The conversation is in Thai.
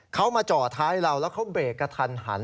เขามาจ่อท้ายเราแล้วเขาเบรกกระทันหัน